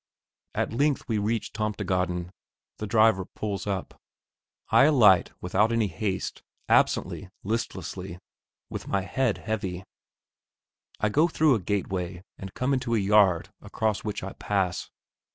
At length we reach Tomtegaden. The driver pulls up. I alight, without any haste, absently, listlessly, with my head heavy. I go through a gateway and come into a yard across which I pass.